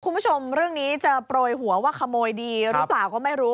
คุณผู้ชมเรื่องนี้จะโปรยหัวว่าขโมยดีหรือเปล่าก็ไม่รู้